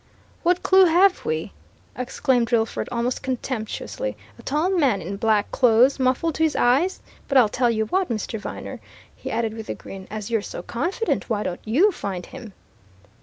"What clue have we?" exclaimed Drillford almost contemptuously. "A tall man in black clothes, muffled to his eyes! But I'll tell you what, Mr. Viner," he added with a grin: "as you're so confident, why don't you find him?"